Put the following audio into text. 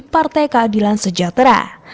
partai keadilan sejahtera